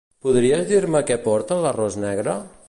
Podries dir-me què porta l'arròs negre?